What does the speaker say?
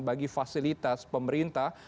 bagi fasilitas pemerintah